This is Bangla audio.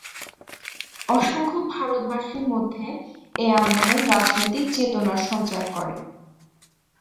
অসংখ্য ভারতবাসীর মধ্যে এ আন্দোলন রাজনৈতিক চেতনার সঞ্চার করে।